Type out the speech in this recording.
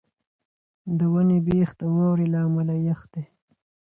د ونې بېخ د واورې له امله یخ دی.